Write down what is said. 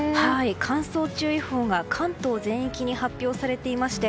乾燥注意報が関東全域に発表されていまして